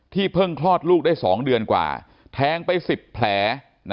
เพิ่งคลอดลูกได้๒เดือนกว่าแทงไป๑๐แผล